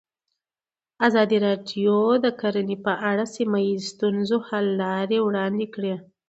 ازادي راډیو د کرهنه په اړه د سیمه ییزو ستونزو حل لارې راوړاندې کړې.